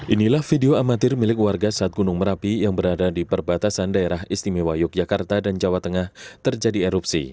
inilah video amatir milik warga saat gunung merapi yang berada di perbatasan daerah istimewa yogyakarta dan jawa tengah terjadi erupsi